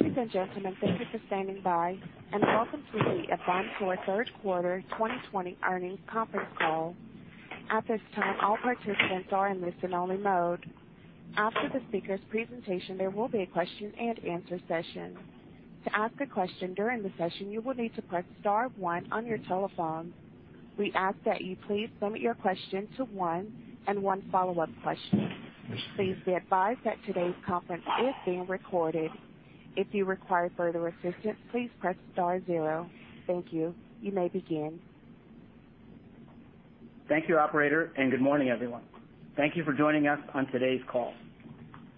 Ladies and gentlemen, thank you for standing by, and welcome to the Avantor third quarter 2020 earnings conference call. At this time, all participants are in listen only mode. After the speaker's presentation, there will be a question and answer session. To ask a question during the session, you will need to press star one on your telephone. We ask that you please limit your question to one and one follow-up question. Please be advised that today's conference is being recorded. If you require further assistance, please press star zero. Thank you. You may begin. Thank you, operator. Good morning, everyone. Thank you for joining us on today's call.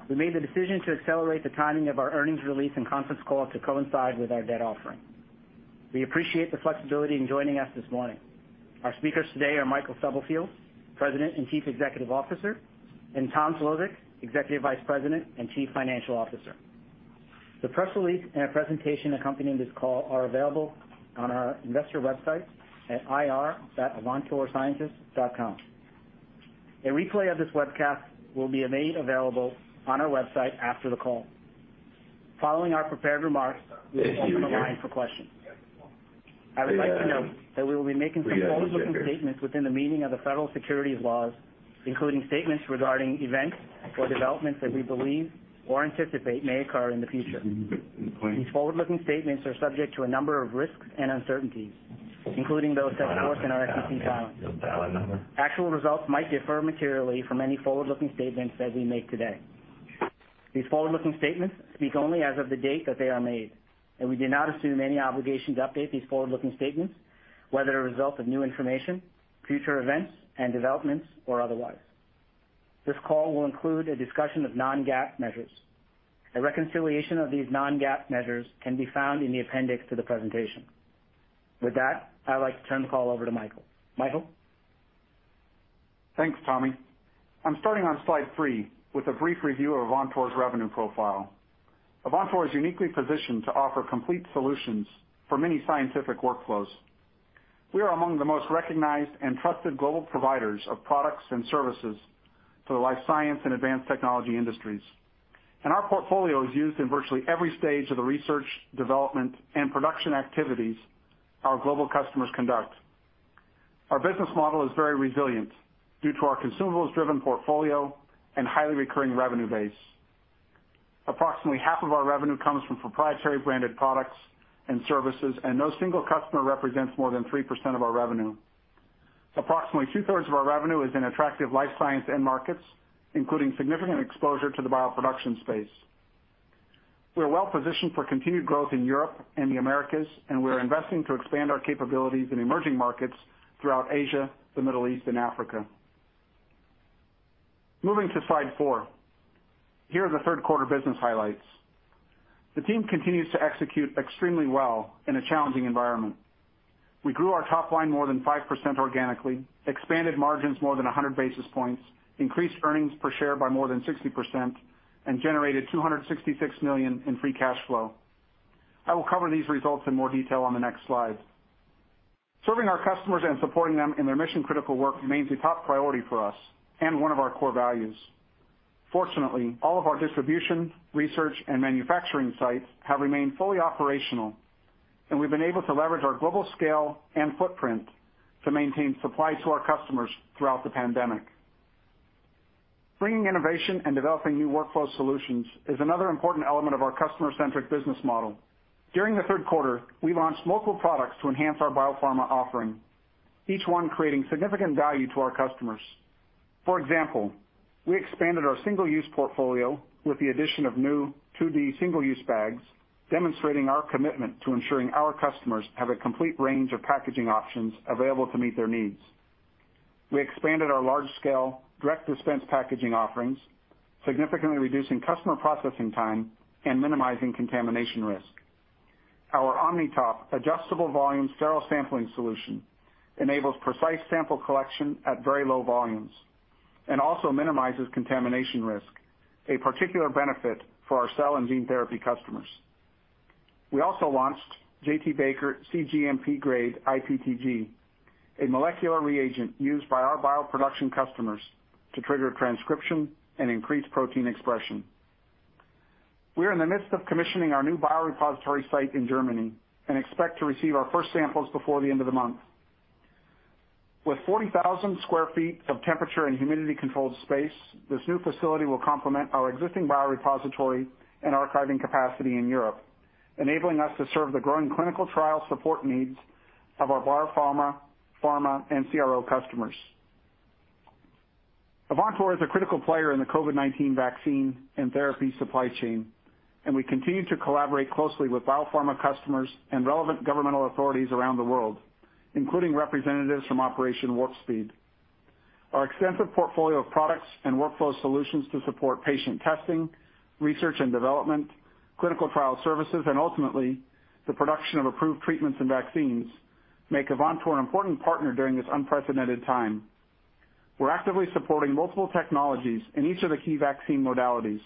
We made the decision to accelerate the timing of our earnings release and conference call to coincide with our debt offering. We appreciate the flexibility in joining us this morning. Our speakers today are Michael Stubblefield, President and Chief Executive Officer, and Tom Szlosek, Executive Vice President and Chief Financial Officer. The press release and a presentation accompanying this call are available on our investor website at ir.avantorsciences.com. A replay of this webcast will be made available on our website after the call. Following our prepared remarks, we will open the line for questions. I would like to note that we will be making some forward-looking statements within the meaning of the Federal Securities laws, including statements regarding events or developments that we believe or anticipate may occur in the future. These forward-looking statements are subject to a number of risks and uncertainties, including those that are set forth in our SEC filings. Actual results might differ materially from any forward-looking statements that we make today. These forward-looking statements speak only as of the date that they are made, and we do not assume any obligation to update these forward-looking statements, whether a result of new information, future events and developments, or otherwise. This call will include a discussion of non-GAAP measures. A reconciliation of these non-GAAP measures can be found in the appendix to the presentation. With that, I'd like to turn the call over to Michael. Michael? Thanks, Tommy. I'm starting on slide three with a brief review of Avantor's revenue profile. Avantor is uniquely positioned to offer complete solutions for many scientific workflows. We are among the most recognized and trusted global providers of products and services to the life science and advanced technology industries, and our portfolio is used in virtually every stage of the research, development, and production activities our global customers conduct. Our business model is very resilient due to our consumables-driven portfolio and highly recurring revenue base. Approximately half of our revenue comes from proprietary branded products and services, and no single customer represents more than 3% of our revenue. Approximately two-thirds of our revenue is in attractive life science end markets, including significant exposure to the bioproduction space. We are well-positioned for continued growth in Europe and the Americas, and we're investing to expand our capabilities in emerging markets throughout Asia, the Middle East, and Africa. Moving to slide four. Here are the third quarter business highlights. The team continues to execute extremely well in a challenging environment. We grew our top line more than 5% organically, expanded margins more than 100 basis points, increased earnings per share by more than 60%, and generated $266 million in free cash flow. I will cover these results in more detail on the next slide. Serving our customers and supporting them in their mission-critical work remains a top priority for us and one of our core values. Fortunately, all of our distribution, research, and manufacturing sites have remained fully operational, and we've been able to leverage our global scale and footprint to maintain supply to our customers throughout the pandemic. Bringing innovation and developing new workflow solutions is another important element of our customer-centric business model. During the third quarter, we launched multiple products to enhance our biopharma offering, each one creating significant value to our customers. For example, we expanded our single-use portfolio with the addition of new 2D single-use bags, demonstrating our commitment to ensuring our customers have a complete range of packaging options available to meet their needs. We expanded our large-scale direct dispense packaging offerings, significantly reducing customer processing time and minimizing contamination risk. Our OmniTop adjustable volume sterile sampling solution enables precise sample collection at very low volumes and also minimizes contamination risk, a particular benefit for our cell and gene therapy customers. We also launched J.T.Baker cGMP-grade IPTG, a molecular reagent used by our bioproduction customers to trigger transcription and increase protein expression. We are in the midst of commissioning our new biorepository site in Germany and expect to receive our first samples before the end of the month. With 40,000 sq ft of temperature and humidity-controlled space, this new facility will complement our existing biorepository and archiving capacity in Europe, enabling us to serve the growing clinical trial support needs of our biopharma, pharma, and CRO customers. Avantor is a critical player in the COVID-19 vaccine and therapy supply chain, and we continue to collaborate closely with biopharma customers and relevant governmental authorities around the world, including representatives from Operation Warp Speed. Our extensive portfolio of products and workflow solutions to support patient testing, research and development, clinical trial services, and ultimately the production of approved treatments and vaccines, make Avantor an important partner during this unprecedented time. We're actively supporting multiple technologies in each of the key vaccine modalities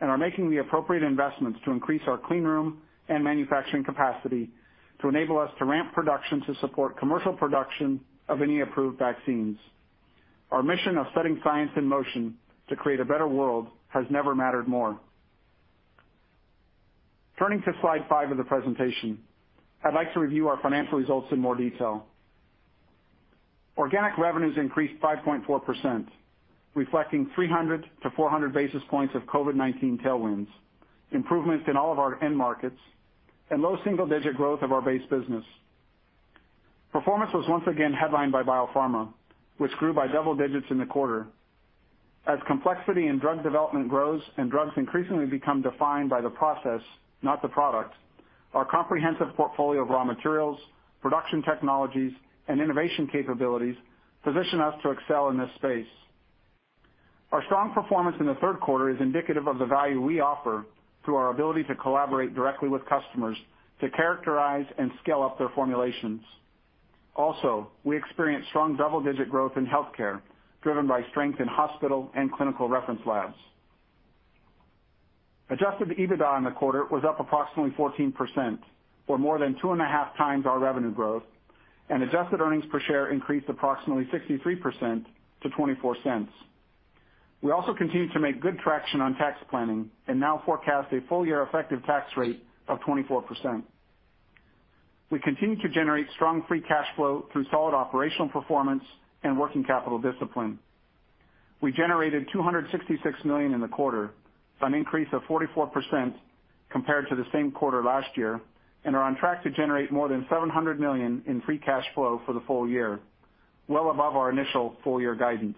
and are making the appropriate investments to increase our clean room and manufacturing capacity to enable us to ramp production to support commercial production of any approved vaccines. Our mission of setting science in motion to create a better world has never mattered more. Turning to slide five of the presentation, I'd like to review our financial results in more detail. Organic revenues increased 5.4%, reflecting 300-400 basis points of COVID-19 tailwinds, improvements in all of our end markets, and low single-digit growth of our base business. Performance was once again headlined by biopharma, which grew by double digits in the quarter. As complexity in drug development grows and drugs increasingly become defined by the process, not the product, our comprehensive portfolio of raw materials, production technologies, and innovation capabilities position us to excel in this space. Our strong performance in the third quarter is indicative of the value we offer through our ability to collaborate directly with customers to characterize and scale up their formulations. Also, we experienced strong double-digit growth in healthcare, driven by strength in hospital and clinical reference labs. Adjusted EBITDA in the quarter was up approximately 14%, or more than 2.5x our revenue growth, and adjusted earnings per share increased approximately 63% to $0.24. We also continue to make good traction on tax planning and now forecast a full-year effective tax rate of 24%. We continue to generate strong free cash flow through solid operational performance and working capital discipline. We generated $266 million in the quarter, an increase of 44% compared to the same quarter last year, and are on track to generate more than $700 million in free cash flow for the full year, well above our initial full-year guidance.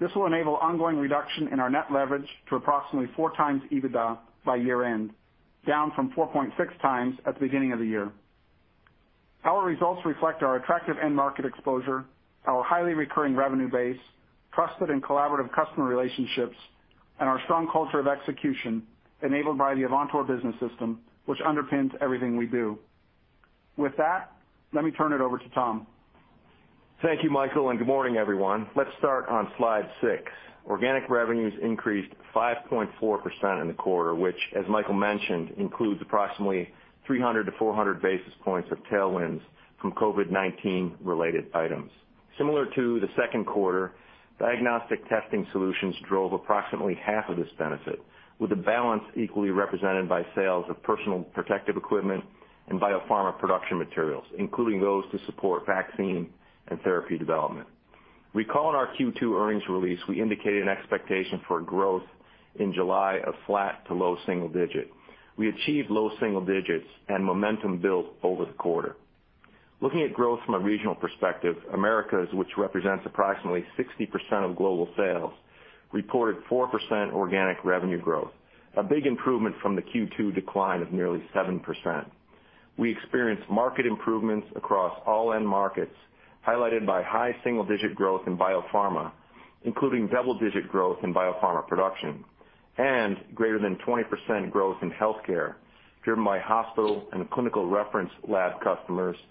This will enable ongoing reduction in our net leverage to approximately 4x EBITDA by year-end, down from 4.6x at the beginning of the year. Our results reflect our attractive end market exposure, our highly recurring revenue base, trusted and collaborative customer relationships, and our strong culture of execution enabled by the Avantor Business System, which underpins everything we do. With that, let me turn it over to Tom. Thank you, Michael, and good morning, everyone. Let's start on slide six. Organic revenues increased 5.4% in the quarter, which, as Michael mentioned, includes approximately 300-400 basis points of tailwinds from COVID-19 related items. Similar to the second quarter, diagnostic testing solutions drove approximately half of this benefit, with the balance equally represented by sales of personal protective equipment and biopharma production materials, including those to support vaccine and therapy development. Recall in our Q2 earnings release, we indicated an expectation for growth in July of flat to low single digit. We achieved low single digits and momentum built over the quarter. Looking at growth from a regional perspective, Americas, which represents approximately 60% of global sales, reported 4% organic revenue growth, a big improvement from the Q2 decline of nearly 7%. We experienced market improvements across all end markets, highlighted by high single-digit growth in biopharma, including double-digit growth in biopharma production, and greater than 20% growth in healthcare, driven by hospital and clinical reference lab customers, and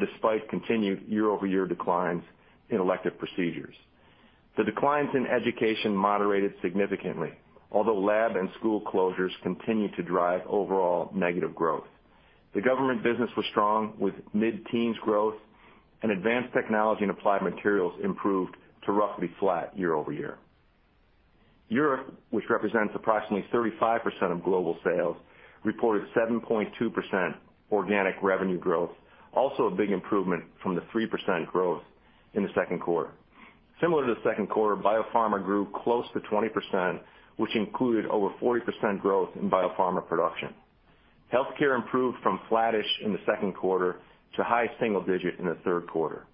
despite continued year-over-year declines in elective procedures. The declines in education moderated significantly, although lab and school closures continued to drive overall negative growth. The government business was strong, with mid-teens growth, and advanced technology and applied materials improved to roughly flat year-over-year. Europe, which represents approximately 35% of global sales, reported 7.2% organic revenue growth, also a big improvement from the 3% growth in the second quarter. Similar to the second quarter, biopharma grew close to 20%, which included over 40% growth in biopharma production. Healthcare improved from flattish in the second quarter to high single digit in the third quarter.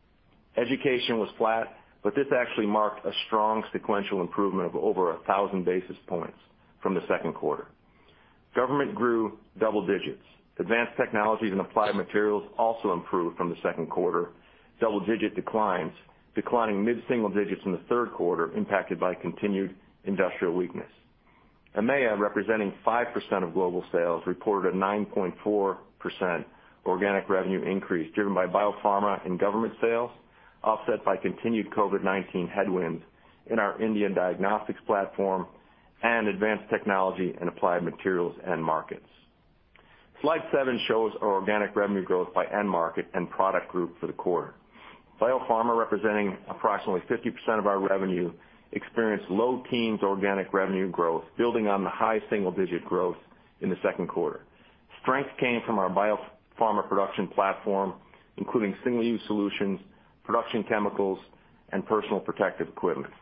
Education was flat, but this actually marked a strong sequential improvement of over 1,000 basis points from the second quarter. Government grew double digits. Advanced technologies and applied materials also improved from the second quarter double-digit declines, declining mid-single digits in the third quarter impacted by continued industrial weakness. AMEA, representing 5% of global sales, reported a 9.4% organic revenue increase, driven by biopharma and government sales, offset by continued COVID-19 headwinds in our Indian diagnostics platform and advanced technology and applied materials end markets. Slide seven shows our organic revenue growth by end market and product group for the quarter. Biopharma, representing approximately 50% of our revenue, experienced low teens organic revenue growth, building on the high single-digit growth in the second quarter. Strength came from our biopharma production platform, including single-use solutions, production chemicals, and personal protective equipment.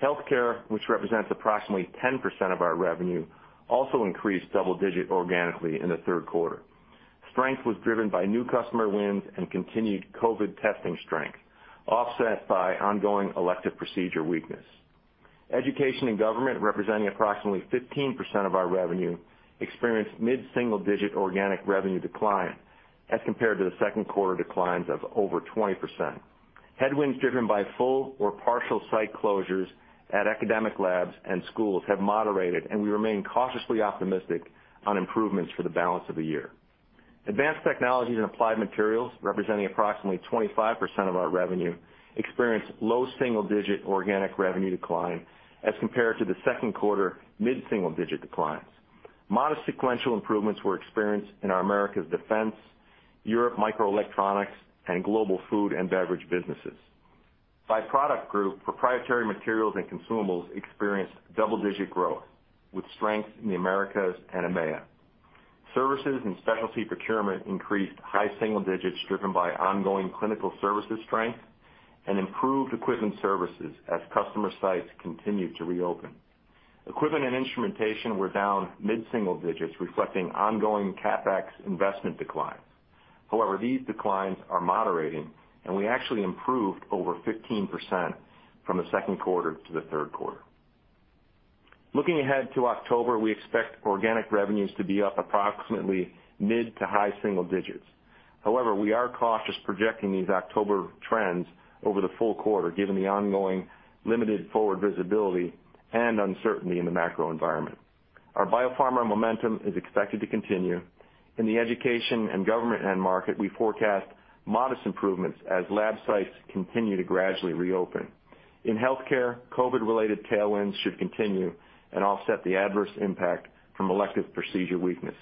Healthcare, which represents approximately 10% of our revenue, also increased double digits organically in the third quarter. Strength was driven by new customer wins and continued COVID testing strength, offset by ongoing elective procedure weakness. Education and Government, representing approximately 15% of our revenue, experienced mid-single-digit organic revenue decline as compared to the second quarter declines of over 20%. Headwinds driven by full or partial site closures at academic labs and schools have moderated, and we remain cautiously optimistic on improvements for the balance of the year. Advanced Technologies and Applied Materials, representing approximately 25% of our revenue, experienced low single-digit organic revenue decline as compared to the second quarter mid-single-digit declines. Modest sequential improvements were experienced in our Americas defense, Europe microelectronics, and global food and beverage businesses. By product group, Proprietary Materials and Consumables experienced double-digit growth, with strength in the Americas and AMEA. Services and specialty procurement increased high single digits, driven by ongoing clinical services strength and improved equipment services as customer sites continue to reopen. Equipment and instrumentation were down mid-single digits, reflecting ongoing CapEx investment declines. However, these declines are moderating, and we actually improved over 15% from the second quarter to the third quarter. Looking ahead to October, we expect organic revenues to be up approximately mid to high single digits. However, we are cautious projecting these October trends over the full quarter, given the ongoing limited forward visibility and uncertainty in the macro environment. Our biopharma momentum is expected to continue. In the education and government end market, we forecast modest improvements as lab sites continue to gradually reopen. In healthcare, COVID-related tailwinds should continue and offset the adverse impact from elective procedure weakness.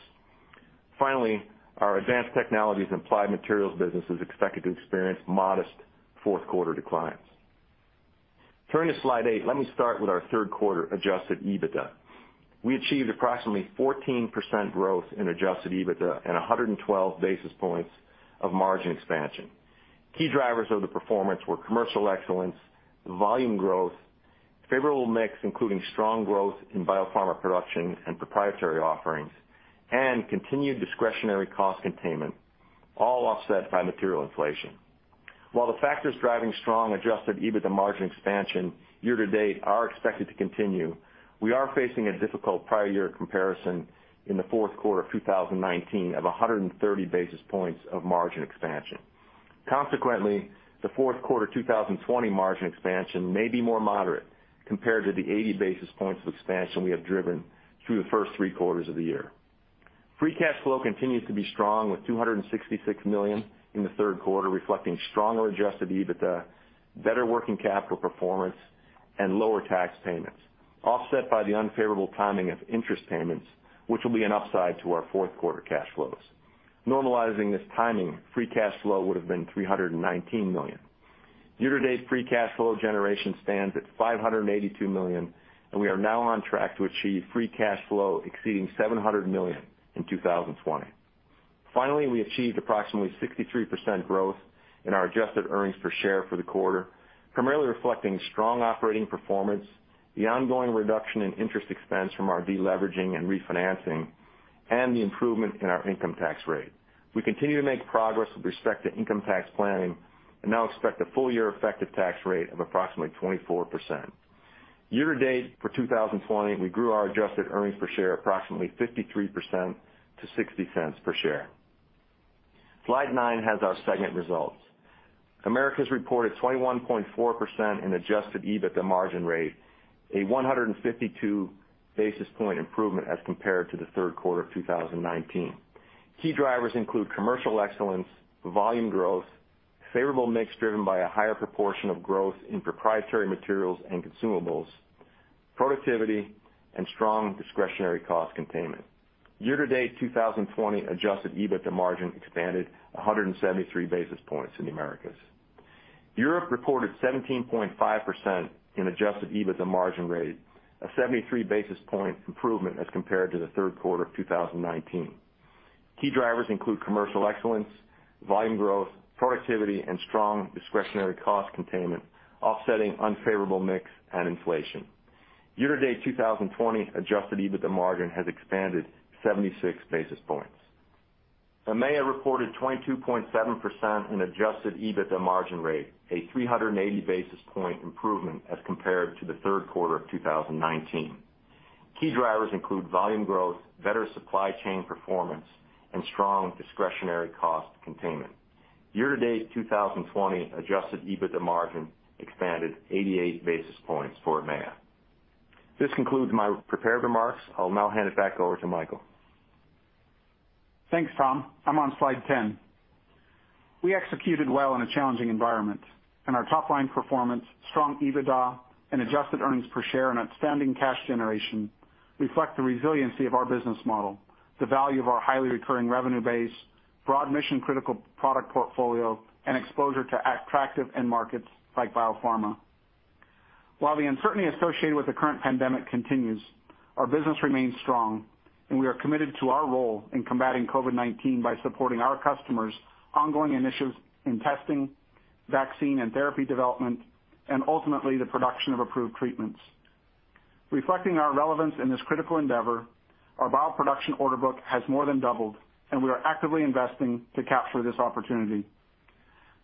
Our advanced technologies and applied materials business is expected to experience modest fourth quarter declines. Turning to slide eight, let me start with our third quarter adjusted EBITDA. We achieved approximately 14% growth in adjusted EBITDA and 112 basis points of margin expansion. Key drivers of the performance were commercial excellence, volume growth, favorable mix, including strong growth in biopharma production and proprietary offerings, and continued discretionary cost containment, all offset by material inflation. While the factors driving strong adjusted EBITDA margin expansion year to date are expected to continue, we are facing a difficult prior year comparison in the fourth quarter of 2019 of 130 basis points of margin expansion. The fourth quarter 2020 margin expansion may be more moderate compared to the 80 basis points of expansion we have driven through the first three quarters of the year. Free cash flow continues to be strong, with $266 million in the third quarter, reflecting stronger adjusted EBITDA, better working capital performance, and lower tax payments, offset by the unfavorable timing of interest payments, which will be an upside to our fourth quarter cash flows. Normalizing this timing, free cash flow would've been $319 million. Year to date free cash flow generation stands at $582 million, and we are now on track to achieve free cash flow exceeding $700 million in 2020. We achieved approximately 63% growth in our adjusted earnings per share for the quarter, primarily reflecting strong operating performance, the ongoing reduction in interest expense from our de-leveraging and refinancing, and the improvement in our income tax rate. We continue to make progress with respect to income tax planning and now expect a full year effective tax rate of approximately 24%. Year to date for 2020, we grew our adjusted earnings per share approximately 53% to $0.60 per share. Slide nine has our segment results. Americas reported 21.4% in adjusted EBITDA margin rate, a 152 basis point improvement as compared to the third quarter of 2019. Key drivers include commercial excellence, volume growth, favorable mix driven by a higher proportion of growth in proprietary materials and consumables, productivity, and strong discretionary cost containment. Year to date 2020 adjusted EBITDA margin expanded 173 basis points in the Americas. Europe reported 17.5% in adjusted EBITDA margin rate, a 73 basis point improvement as compared to the third quarter of 2019. Key drivers include commercial excellence, volume growth, productivity, and strong discretionary cost containment offsetting unfavorable mix and inflation. Year to date 2020 adjusted EBITDA margin has expanded 76 basis points. AMEA reported 22.7% in adjusted EBITDA margin rate, a 380 basis point improvement as compared to the third quarter of 2019. Key drivers include volume growth, better supply chain performance, and strong discretionary cost containment. Year to date 2020 adjusted EBITDA margin expanded 88 basis points for AMEA. This concludes my prepared remarks. I'll now hand it back over to Michael. Thanks, Tom. I'm on slide 10. We executed well in a challenging environment, and our top-line performance, strong EBITDA and adjusted earnings per share, and outstanding cash generation reflect the resiliency of our business model, the value of our highly recurring revenue base, broad mission critical product portfolio, and exposure to attractive end markets like biopharma. While the uncertainty associated with the current pandemic continues, our business remains strong, and we are committed to our role in combating COVID-19 by supporting our customers' ongoing initiatives in testing, vaccine, and therapy development, and ultimately the production of approved treatments. Reflecting our relevance in this critical endeavor, our bioproduction order book has more than doubled, and we are actively investing to capture this opportunity.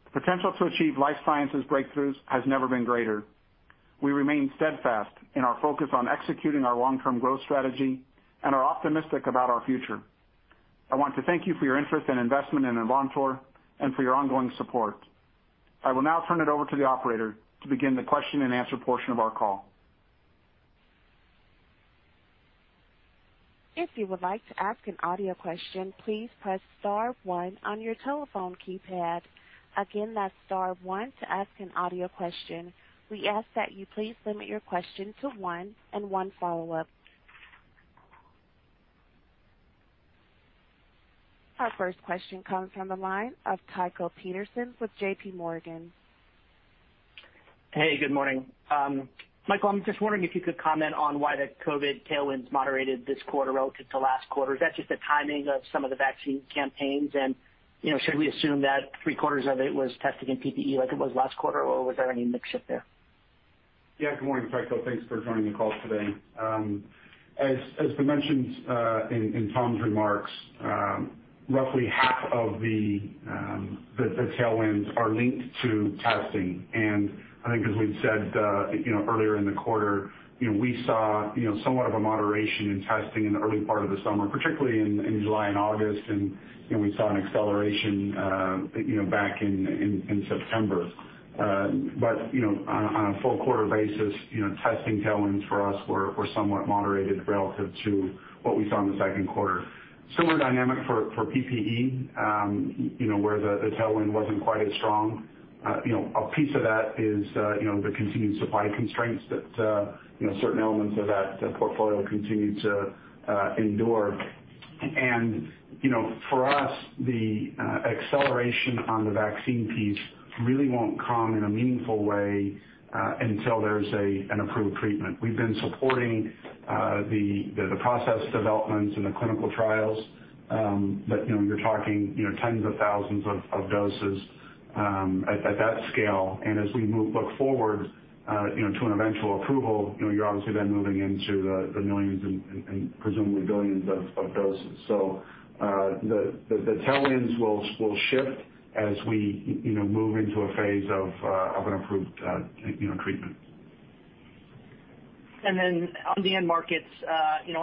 The potential to achieve life sciences breakthroughs has never been greater. We remain steadfast in our focus on executing our long-term growth strategy and are optimistic about our future. I want to thank you for your interest and investment in Avantor and for your ongoing support. I will now turn it over to the operator to begin the question and answer portion of our call. If you would like to ask an audio question, please press star one on your telephone keypad. Again, that's star one to ask an audio question. We ask that you please limit your question to one and one follow-up. Our first question comes from the line of Tycho Peterson with JP Morgan. Hey, good morning. Michael, I'm just wondering if you could comment on why the COVID tailwinds moderated this quarter relative to last quarter. Is that just the timing of some of the vaccine campaigns and, should we assume that three-quarters of it was testing in PPE like it was last quarter, or was there any mix shift there? Yeah. Good morning, Tycho. Thanks for joining the call today. As was mentioned in Tom's remarks, roughly half of the tailwinds are linked to testing. I think as we've said earlier in the quarter, we saw somewhat of a moderation in testing in the early part of the summer, particularly in July and August. We saw an acceleration back in September. On a full-quarter basis, testing tailwinds for us were somewhat moderated relative to what we saw in the second quarter. Similar dynamic for PPE, where the tailwind wasn't quite as strong. A piece of that is the continued supply constraints that certain elements of that portfolio continue to endure. For us, the acceleration on the vaccine piece really won't come in a meaningful way until there's an approved treatment. We've been supporting the process developments and the clinical trials, you're talking tens of thousands of doses at that scale. As we look forward to an eventual approval, you're obviously then moving into the millions and presumably billions of doses. The tailwinds will shift as we move into a phase of an approved treatment. On the end markets,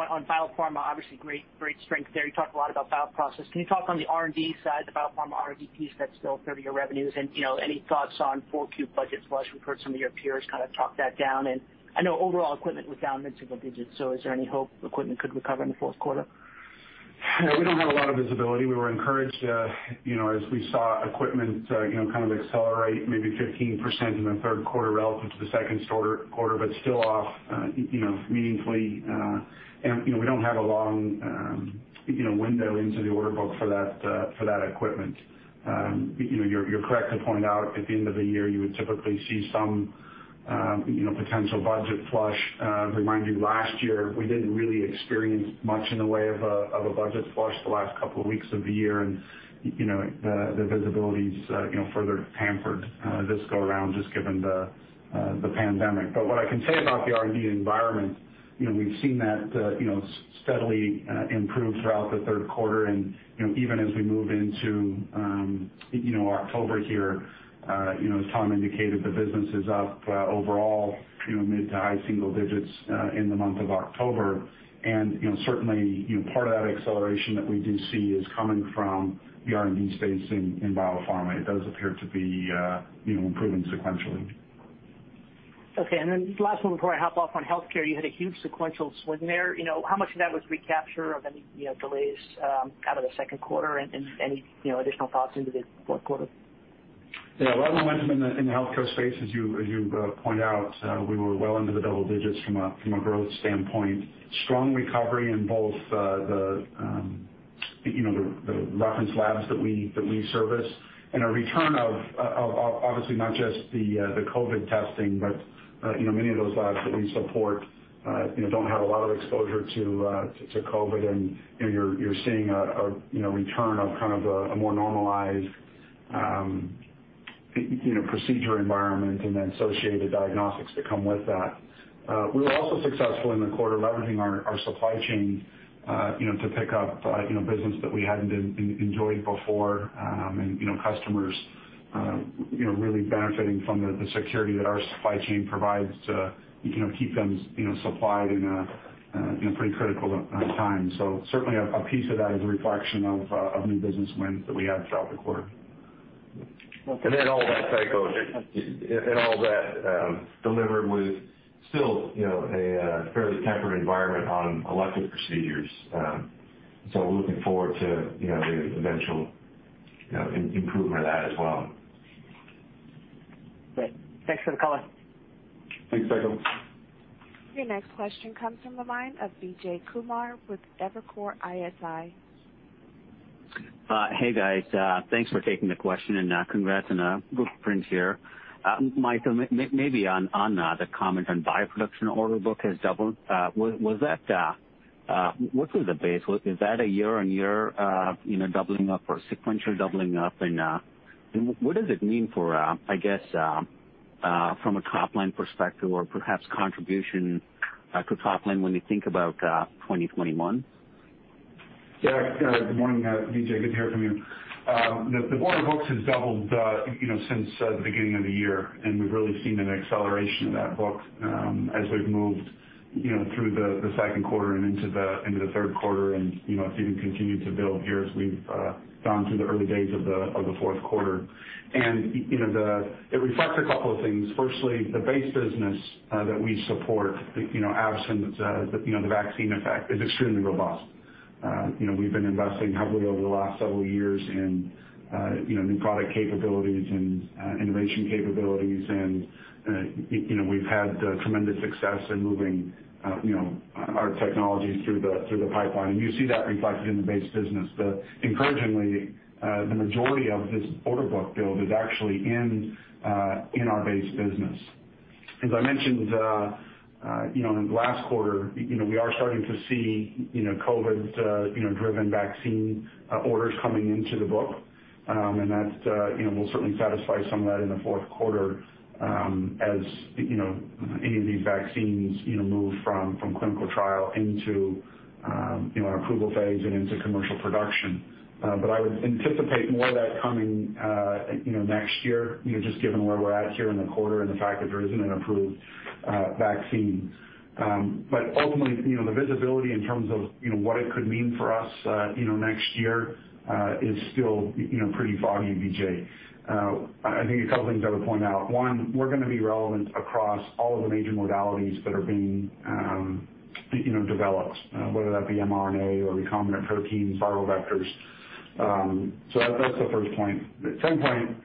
on biopharma, obviously great strength there. You talked a lot about bioprocess. Can you talk on the R&D side, the biopharma R&D piece that's still 30% of your revenues, and any thoughts on 4Q budget flush? We've heard some of your peers kind of talk that down. I know overall equipment was down mid-single digits, is there any hope equipment could recover in the fourth quarter? We don't have a lot of visibility. We were encouraged as we saw equipment kind of accelerate maybe 15% in the third quarter relative to the second quarter, but still off meaningfully. We don't have a long window into the order book for that equipment. You're correct to point out at the end of the year, you would typically see some potential budget flush. Remind you, last year, we didn't really experience much in the way of a budget flush the last couple of weeks of the year, and the visibility's further hampered this go around just given the pandemic. What I can say about the R&D environment, we've seen that steadily improve throughout the third quarter. Even as we move into October here, as Tom indicated, the business is up overall mid to high single digits in the month of October. Certainly, part of that acceleration that we do see is coming from the R&D space in biopharma. It does appear to be improving sequentially. Okay. Last one before I hop off. On healthcare, you had a huge sequential swing there. How much of that was recapture of any delays out of the second quarter and any additional thoughts into the fourth quarter? Yeah. A lot of momentum in the healthcare space, as you point out. We were well into the double digits from a growth standpoint. Strong recovery in both the reference labs that we service and a return of obviously not just the COVID testing, but many of those labs that we support don't have a lot of exposure to COVID. You're seeing a return of kind of a more normalized procedure environment and then associated diagnostics that come with that. We were also successful in the quarter leveraging our supply chain to pick up business that we hadn't enjoyed before. Customers really benefiting from the security that our supply chain provides to keep them supplied in a pretty critical time. Certainly, a piece of that is a reflection of new business wins that we had throughout the quarter. All of that, Tycho, delivered with still a fairly tempered environment on elective procedures. We're looking forward to the eventual improvement of that as well. Great. Thanks for the color. Thanks, Tycho. Your next question comes from the line of Vijay Kumar with Evercore ISI. Hey, guys. Thanks for taking the question, and congrats on good prints here. Michael, maybe on the comment on bioproduction order book has doubled. What was the base? Is that a year-on-year doubling up or sequential doubling up? What does it mean from a top-line perspective or perhaps contribution to top line when you think about 2021? Good morning, Vijay. Good to hear from you. The order books has doubled since the beginning of the year. We've really seen an acceleration of that book as we've moved through the second quarter and into the third quarter. It's even continued to build here as we've gone through the early days of the fourth quarter. It reflects a couple of things. Firstly, the base business that we support, absent the vaccine effect, is extremely robust. We've been investing heavily over the last several years in new product capabilities and innovation capabilities, and we've had tremendous success in moving our technologies through the pipeline. You see that reflected in the base business. Encouragingly, the majority of this order book build is actually in our base business. As I mentioned, in the last quarter, we are starting to see COVID-driven vaccine orders coming into the book. We'll certainly satisfy some of that in the fourth quarter, as any of these vaccines move from clinical trial into an approval phase and into commercial production. I would anticipate more of that coming next year, just given where we're at here in the quarter and the fact that there isn't an approved vaccine. Ultimately, the visibility in terms of what it could mean for us next year is still pretty foggy, Vijay. I think a couple things I would point out. One, we're going to be relevant across all of the major modalities that are being developed, whether that be mRNA or recombinant proteins, viral vectors. That's the first point. The second point,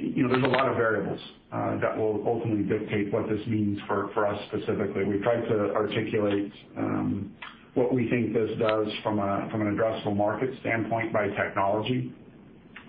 there's a lot of variables that will ultimately dictate what this means for us specifically. We've tried to articulate what we think this does from an addressable market standpoint by technology.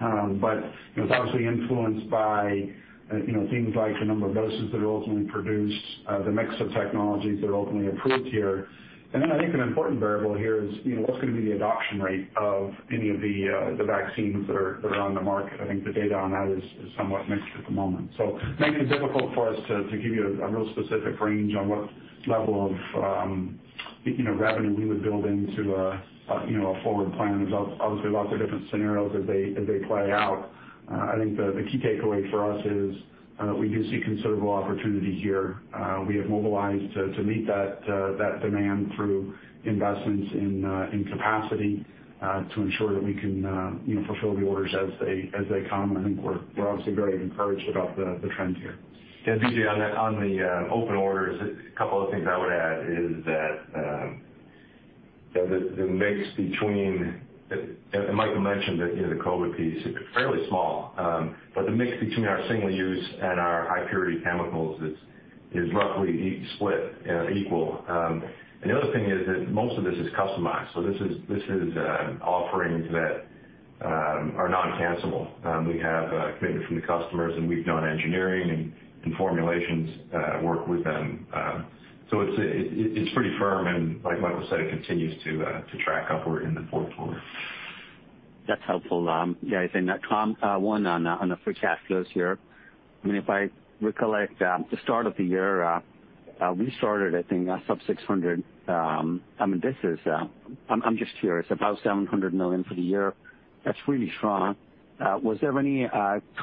It's obviously influenced by things like the number of doses that are ultimately produced, the mix of technologies that are ultimately approved here. I think an important variable here is, what's going to be the adoption rate of any of the vaccines that are on the market? I think the data on that is somewhat mixed at the moment. It makes it difficult for us to give you a real specific range on what level of revenue we would build into a forward plan. There's obviously lots of different scenarios as they play out. I think the key takeaway for us is that we do see considerable opportunity here. We have mobilized to meet that demand through investments in capacity to ensure that we can fulfill the orders as they come. I think we're obviously very encouraged about the trends here. Yeah, Vijay, on the open orders, a couple of things I would add is that the mix between. Michael mentioned that the COVID-19 piece, it's fairly small. The mix between our single-use and our high-purity chemicals is roughly split equal. The other thing is that most of this is customized, so this is offerings that are non-cancellable. We have commitment from the customers, and we've done engineering and formulations work with them. It's pretty firm and, like Michael said, it continues to track upward in the fourth quarter. That's helpful. Yeah. Tom, one on the free cash flows here. If I recollect, the start of the year, we started, I think, sub $600 million. I'm just curious, about $700 million for the year. That's really strong. Was there any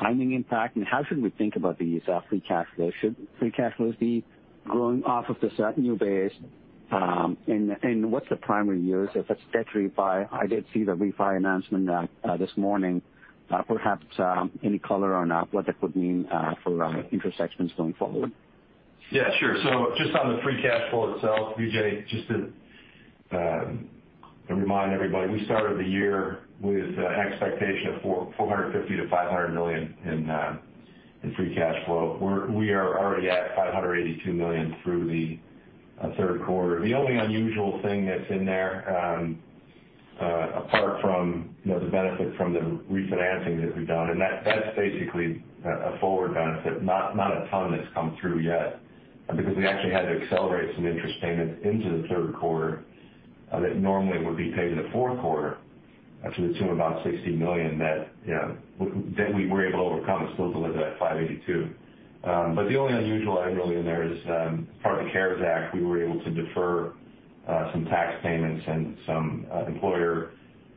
timing impact, and how should we think about these free cash flows? Should free cash flows be growing off of this Avantor base? What's the primary use if it's debt refi? I did see the refi announcement this morning. Perhaps any color on what that could mean for interest expense going forward? Yeah, sure. Just on the free cash flow itself, Vijay, just to remind everybody, we started the year with an expectation of $450 million-$500 million in free cash flow. We are already at $582 million through the third quarter. The only unusual thing that's in there, apart from the benefit from the refinancing that we've done, and that's basically a forward benefit, not a ton that's come through yet. We actually had to accelerate some interest payments into the third quarter that normally would be paid in the fourth quarter to the tune of about $60 million that we were able to overcome and still deliver that $582 million. The only unusual item really in there is, part of the CARES Act, we were able to defer some tax payments and some employer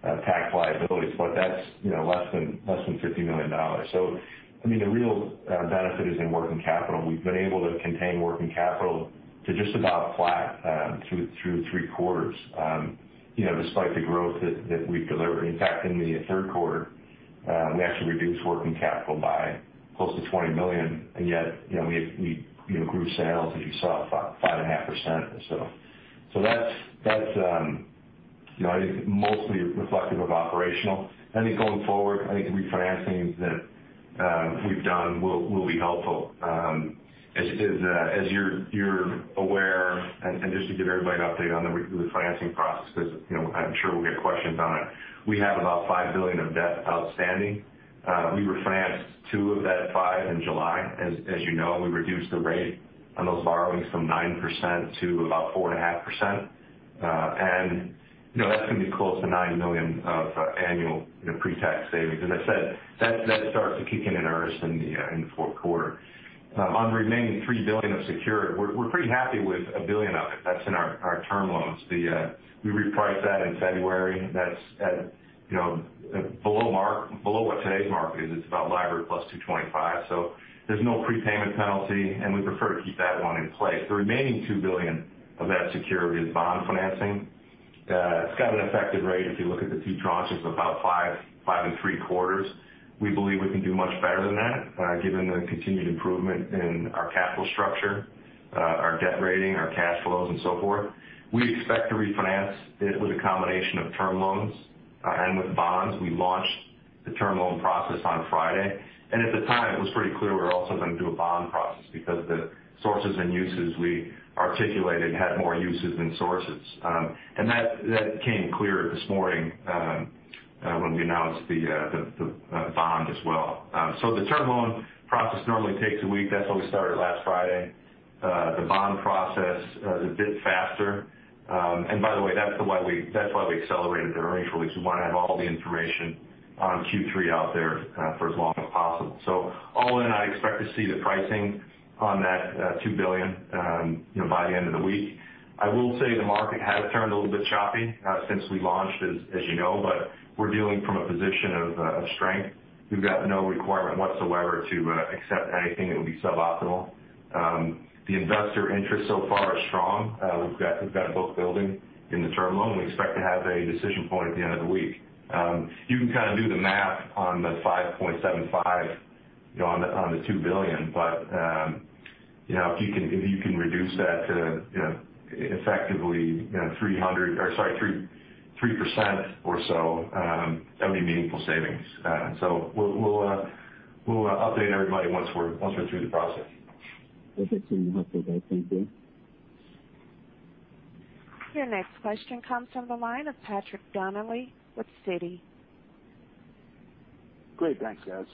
tax liabilities, but that's less than $50 million. The real benefit is in working capital. We've been able to contain working capital to just about flat through 3 quarters despite the growth that we've delivered. In fact, in the third quarter, we actually reduced working capital by close to $20 million, and yet we grew sales, as you saw, 5.5%. That's I think mostly reflective of operational. I think going forward, I think the refinancing that we've done will be helpful. As you're aware, and just to give everybody an update on the refinancing process, because I'm sure we'll get questions on it. We have about $5 billion of debt outstanding. We refinanced 2 of that 5 in July, as you know. We reduced the rate on those borrowings from 9% to about 4.5%. That's going to be close to $9 million of annual pretax savings. As I said, that starts to kick in earnest in the fourth quarter. On the remaining $3 billion of secured, we're pretty happy with $1 billion of it. That's in our term loans. We repriced that in February. That's at below what today's mark is. It's about LIBOR +225. There's no prepayment penalty, and we prefer to keep that one in place. The remaining $2 billion of that secured is bond financing. It's got an effective rate, if you look at the two tranches, of about five and three-quarters. We believe we can do much better than that, given the continued improvement in our capital structure, our debt rating, our cash flows, and so forth. We expect to refinance it with a combination of term loans and with bonds. The term loan process on Friday. At the time, it was pretty clear we were also going to do a bond process because the sources and uses we articulated had more uses than sources. That became clearer this morning when we announced the bond as well. The term loan process normally takes a week. That's why we started last Friday. The bond process is a bit faster. By the way, that's why we accelerated the earnings release. We want to have all the information on Q3 out there for as long as possible. All in, I expect to see the pricing on that $2 billion by the end of the week. I will say the market has turned a little bit choppy since we launched, as you know, but we're dealing from a position of strength. We've got no requirement whatsoever to accept anything that would be suboptimal. The investor interest so far is strong. We've got a book building in the term loan. We expect to have a decision point at the end of the week. You can kind of do the math on the 5.75% on the $2 billion, but if you can reduce that to effectively 3% or so, that would be meaningful savings. We'll update everybody once we're through the process. That's it from my side. Thank you. Your next question comes from the line of Patrick Donnelly with Citi. Great. Thanks, guys.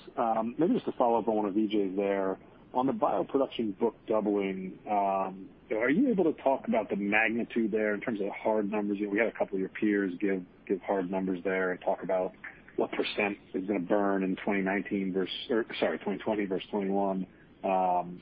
Maybe just to follow up on one of Vijay's there. On the bioproduction book doubling, are you able to talk about the magnitude there in terms of the hard numbers? We had a couple of your peers give hard numbers there and talk about what percent is going to burn in 2020 versus 2021.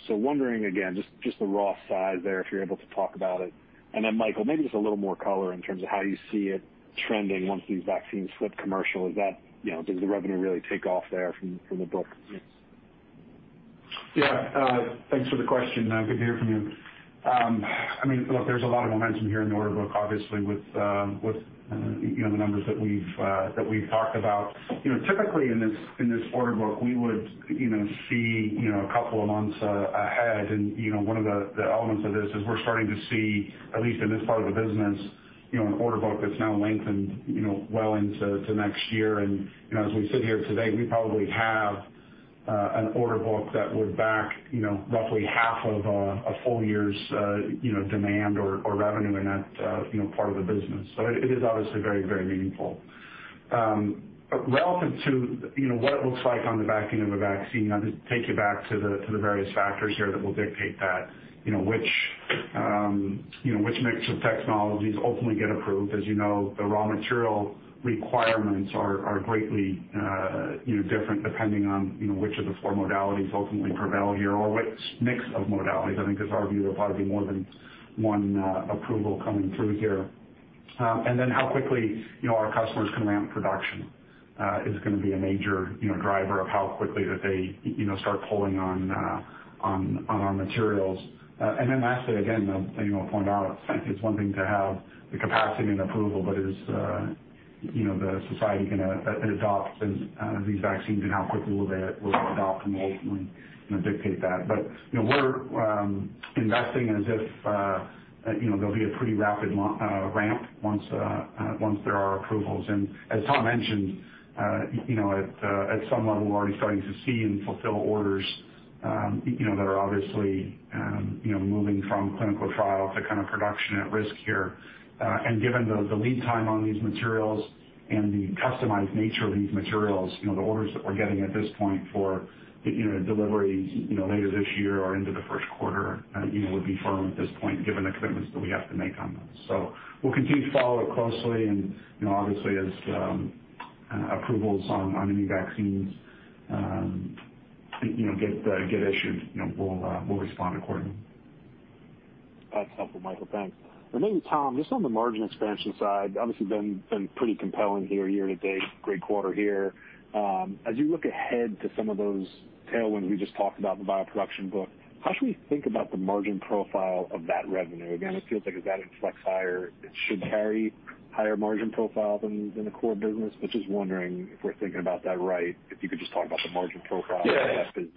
Wondering again, just the raw size there, if you're able to talk about it. Then Michael, maybe just a little more color in terms of how you see it trending once these vaccines flip commercial. Does the revenue really take off there from the book? Yeah. Thanks for the question. Good to hear from you. Look, there's a lot of momentum here in the order book, obviously, with the numbers that we've talked about. Typically in this order book, we would see a couple of months ahead. One of the elements of this is we're starting to see, at least in this part of the business, an order book that's now lengthened well into next year. As we sit here today, we probably have an order book that would back roughly half of a full year's demand or revenue in that part of the business. It is obviously very meaningful. Relevant to what it looks like on the backing of a vaccine, I'll just take you back to the various factors here that will dictate that. Which mix of technologies ultimately get approved. As you know, the raw material requirements are greatly different depending on which of the four modalities ultimately prevail here or which mix of modalities. I think it's our view there'll probably be more than one approval coming through here. How quickly our customers can ramp production is going to be a major driver of how quickly that they start pulling on our materials. Lastly, again, I'll point out, it's one thing to have the capacity and approval, but is the society going to adopt these vaccines and how quickly will they adopt them will ultimately dictate that. We're investing as if there'll be a pretty rapid ramp once there are approvals. As Tom mentioned, at some level, we're already starting to see and fulfill orders that are obviously moving from clinical trial to kind of production at risk here. Given the lead time on these materials and the customized nature of these materials, the orders that we're getting at this point for deliveries later this year or into the first quarter would be firm at this point given the commitments that we have to make on those. We'll continue to follow it closely and obviously as approvals on any vaccines get issued we'll respond accordingly. That's helpful, Michael. Thanks. Maybe Tom, just on the margin expansion side, obviously been pretty compelling here year-to-date, great quarter here. As you look ahead to some of those tailwinds we just talked about in the bioproduction book, how should we think about the margin profile of that revenue? Again, it feels like as that inflects higher, it should carry higher margin profile than the core business. Just wondering if we're thinking about that right, if you could just talk about the margin profile of that business.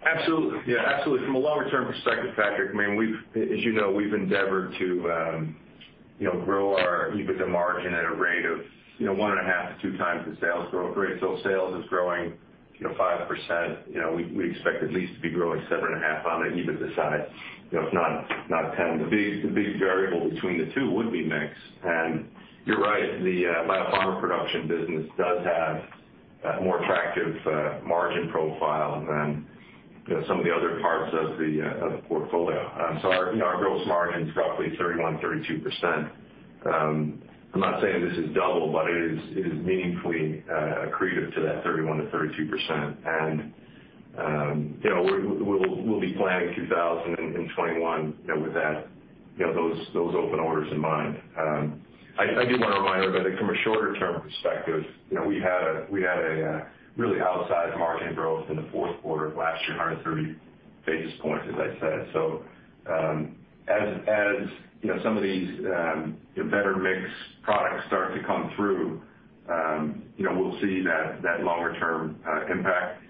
Yeah, absolutely. From a longer-term perspective, Patrick, as you know, we've endeavored to grow our EBITDA margin at a rate of one and a half to two times the sales growth rate. Sales is growing 5%, we expect at least to be growing seven and a half on an EBITDA side, if not 10. The big variable between the two would be mix. You're right, the biopharma production business does have a more attractive margin profile than some of the other parts of the portfolio. Our gross margin is roughly 31%, 32%. I'm not saying this is double, but it is meaningfully accretive to that 31%-32%. We'll be planning 2000 and 2021 with those open orders in mind. I do want to remind everybody from a shorter-term perspective, we had a really outsized margin growth in the fourth quarter of last year, 130 basis points, as I said. As some of these better mix products start to come through we'll see that longer-term impact.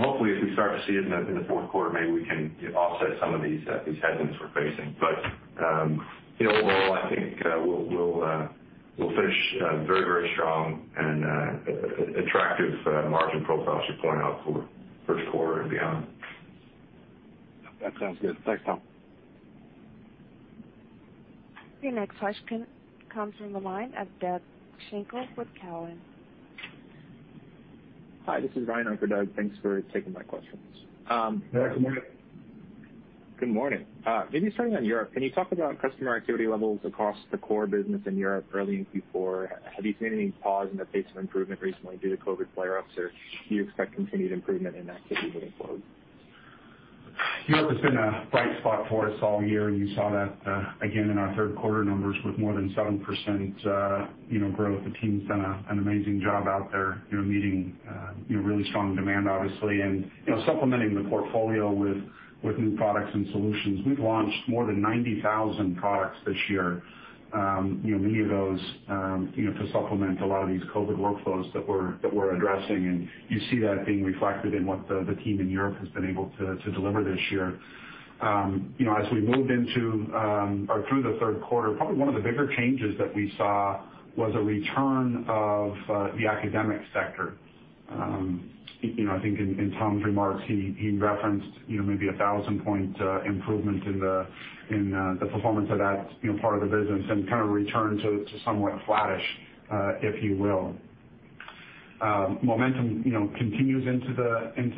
Hopefully, if we start to see it in the fourth quarter, maybe we can offset some of these headwinds we're facing. Still, I think we'll finish very strong and attractive margin profile, as you point out, for first quarter and beyond. That sounds good. Thanks, Tom. Your next question comes from the line of Doug Schenkel with Cowen. Hi, this is Ryan on for Doug. Thanks for taking my questions. Hi, good morning. Good morning. Maybe starting on Europe, can you talk about customer activity levels across the core business in Europe early in Q4? Have you seen any pause in the pace of improvement recently due to COVID flare ups, or do you expect continued improvement in that activity going forward? Europe has been a bright spot for us all year. You saw that again in our third quarter numbers with more than 7% growth. The team's done an amazing job out there, meeting really strong demand, obviously, and supplementing the portfolio with new products and solutions. We've launched more than 90,000 products this year. Many of those to supplement a lot of these COVID workflows that we're addressing, and you see that being reflected in what the team in Europe has been able to deliver this year. As we moved through the third quarter, probably one of the bigger changes that we saw was a return of the academic sector. I think in Tom's remarks, he referenced maybe 1,000-point improvement in the performance of that part of the business and kind of return to somewhat flattish, if you will. Momentum continues into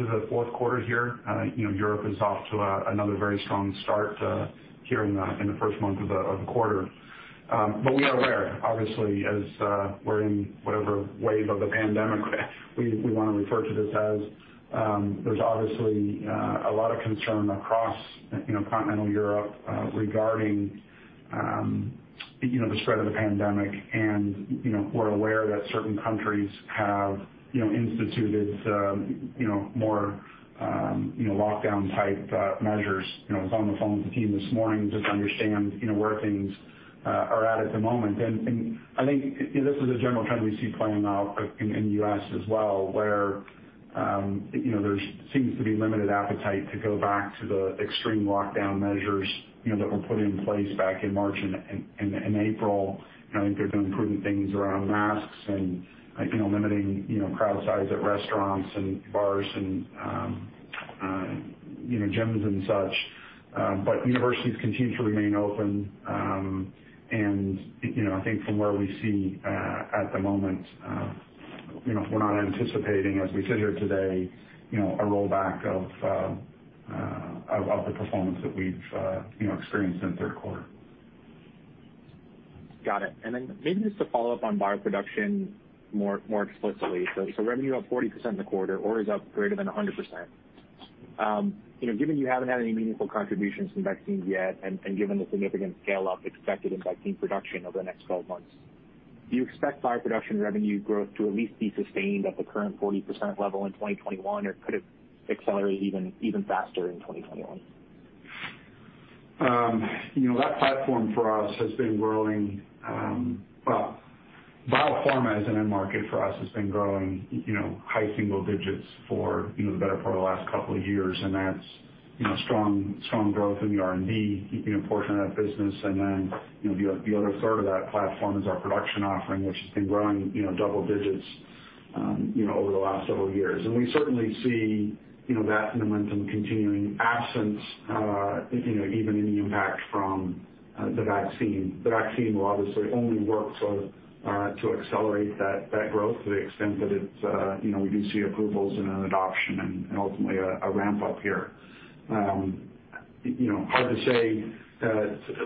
the fourth quarter here. Europe is off to another very strong start here in the first month of the quarter. We are aware, obviously, as we're in whatever wave of the pandemic we want to refer to this as, there's obviously a lot of concern across continental Europe regarding the spread of the pandemic. We're aware that certain countries have instituted more lockdown-type measures. I was on the phone with the team this morning just to understand where things are at at the moment. I think this is a general trend we see playing out in the U.S. as well, where there seems to be limited appetite to go back to the extreme lockdown measures that were put in place back in March and April. I think they're doing prudent things around masks and limiting crowd size at restaurants and bars and gyms and such. Universities continue to remain open. I think from where we see at the moment, we're not anticipating, as we sit here today, a rollback of the performance that we've experienced in the third quarter. Got it. Maybe just to follow up on bioproduction more explicitly. Revenue up 40% in the quarter, or is up greater than 100%. Given you haven't had any meaningful contributions from vaccines yet, and given the significant scale up expected in vaccine production over the next 12 months, do you expect bioproduction revenue growth to at least be sustained at the current 40% level in 2021, or could it accelerate even faster in 2021? That platform for us has been growing. Well, biopharma as an end market for us has been growing high single digits for the better part of the last couple of years, and that's strong growth in the R&D portion of that business. The other third of that platform is our production offering, which has been growing double digits over the last several years. We certainly see that momentum continuing, absent even any impact from the vaccine. The vaccine will obviously only work to accelerate that growth to the extent that we do see approvals and an adoption and ultimately a ramp up here. Hard to say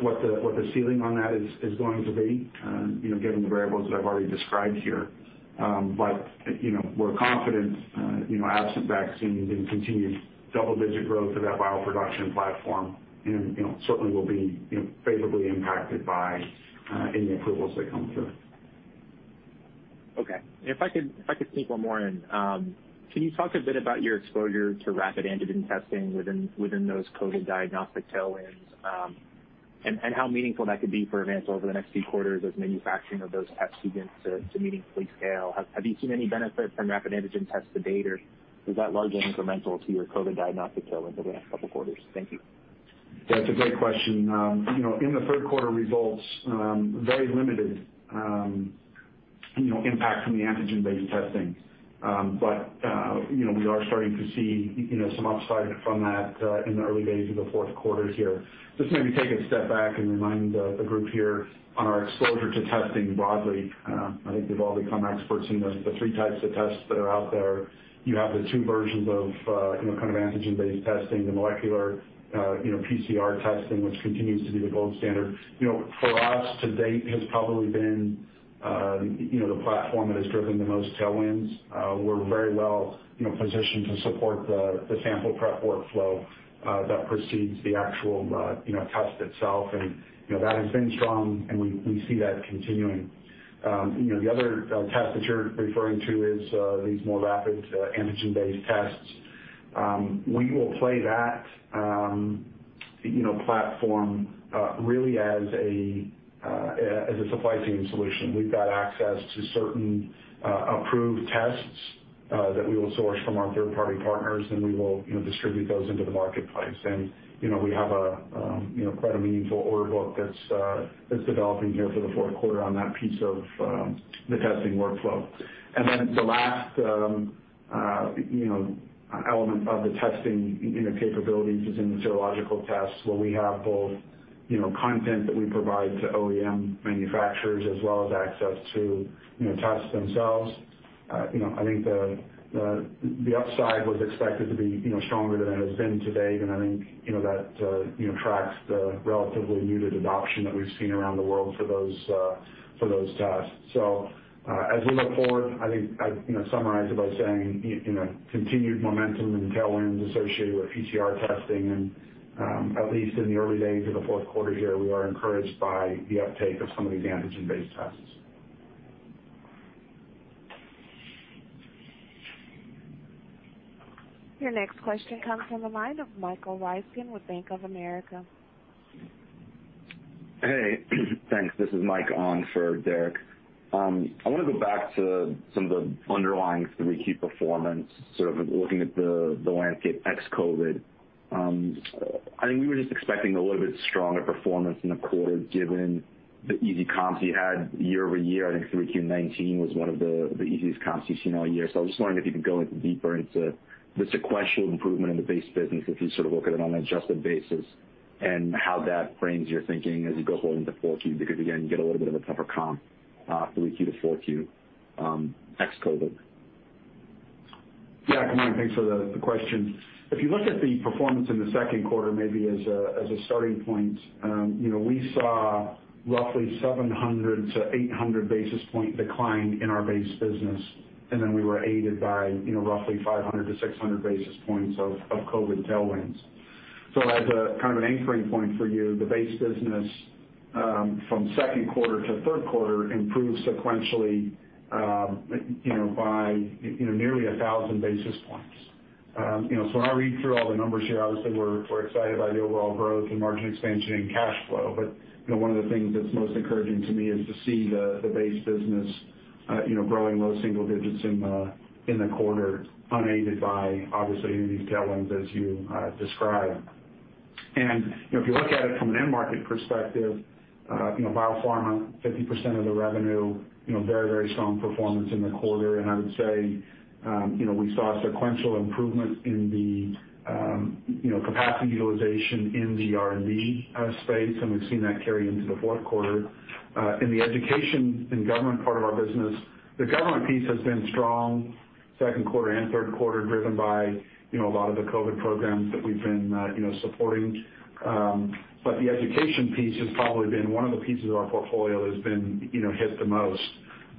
what the ceiling on that is going to be, given the variables that I've already described here. We're confident, absent vaccines, in continued double-digit growth of that bioproduction platform, and certainly will be favorably impacted by any approvals that come through. Okay. If I could sneak one more in. Can you talk a bit about your exposure to rapid antigen testing within those COVID diagnostic tailwinds, and how meaningful that could be for Avantor over the next few quarters as manufacturing of those tests begins to meaningfully scale? Have you seen any benefit from rapid antigen tests to date, or is that largely incremental to your COVID diagnostic tailwind over the next couple of quarters? Thank you. That's a great question. In the third quarter results, very limited impact from the antigen-based testing. We are starting to see some upside from that in the early days of the fourth quarter here. Just maybe take a step back and remind the group here on our exposure to testing broadly. I think we've all become experts in the three types of tests that are out there. You have the two versions of kind of antigen-based testing, the molecular PCR testing, which continues to be the gold standard. For us to date has probably been the platform that has driven the most tailwinds. We're very well positioned to support the sample prep workflow that precedes the actual test itself, and that has been strong, and we see that continuing. The other test that you're referring to is these more rapid antigen-based tests. We will play that platform really as a supply chain solution. We've got access to certain approved tests that we will source from our third-party partners, and we will distribute those into the marketplace. We have quite a meaningful order book that's developing here for the fourth quarter on that piece of the testing workflow. Then the last element of the testing capabilities is in the serological tests, where we have both content that we provide to OEM manufacturers as well as access to tests themselves. I think the upside was expected to be stronger than it has been to date, and I think that tracks the relatively muted adoption that we've seen around the world for those tests. As we look forward, I'd summarize it by saying, continued momentum and tailwinds associated with PCR testing and, at least in the early days of the fourth quarter here, we are encouraged by the uptake of some of the antigen-based tests. Your next question comes from the line of Michael Ryskin with Bank of America. Hey, thanks. This is Mike on for Derek. I want to go back to some of the underlying 3Q performance, sort of looking at the landscape ex-COVID. I think we were just expecting a little bit stronger performance in the quarter, given the easy comps you had year-over-year. I think 3Q 2019 was one of the easiest comps you've seen all year. I was just wondering if you could go a little deeper into the sequential improvement in the base business if you look at it on an adjusted basis, and how that frames your thinking as you go forward into 4Q. Again, you get a little bit of a tougher comp, 3Q to 4Q, ex-COVID. Yeah, good morning. Thanks for the question. If you look at the performance in the second quarter, maybe as a starting point, we saw roughly 700-800 basis points decline in our base business, and then we were aided by roughly 500-600 basis points of COVID tailwinds. As a kind of an anchoring point for you, the base business from second quarter to third quarter improved sequentially by nearly 1,000 basis points. When I read through all the numbers here, obviously, we're excited by the overall growth and margin expansion and cash flow. One of the things that's most encouraging to me is to see the base business growing low single digits in the quarter, unaided by, obviously, any of these tailwinds as you describe. If you look at it from an end market perspective, biopharma, 50% of the revenue, very strong performance in the quarter. I would say we saw a sequential improvement in the capacity utilization in the R&D space, and we've seen that carry into the fourth quarter. In the education and government part of our business, the government piece has been strong second quarter and third quarter, driven by a lot of the COVID programs that we've been supporting. The education piece has probably been one of the pieces of our portfolio that's been hit the most.